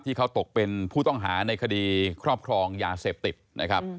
ที่เขาตกเป็นผู้ต้องหาในคดีครอบครองยาเสพติดนะครับ